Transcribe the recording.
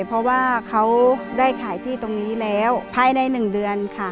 เพราะว่าเขาได้ขายที่ตรงนี้แล้วภายใน๑เดือนค่ะ